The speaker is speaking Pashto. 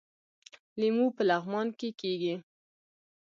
لیمو په لغمان کې کیږي